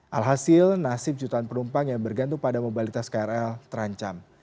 alhasil nasib jutaan penumpang yang bergantung pada mobilitas krl terancam